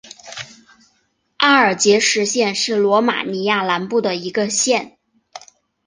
阿尔杰什县是罗马尼亚南部的一个县。